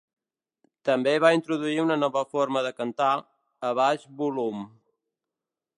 També va introduir una nova forma de cantar, a baix volum.